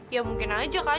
ya mungkin aja kan